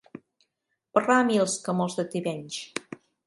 Parlar a mils, com els de Tivenys.